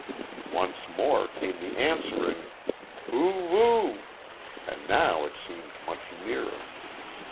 Once more came the answering "Hoo oo woo oo!" and now it seemed much nearer.